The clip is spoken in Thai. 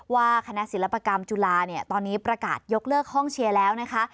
ว่าคณะศิลปกรรมจุฬาเนี่ยตอนนี้ประกาศยกเลิกห้องเชียร์แล้วนะคะ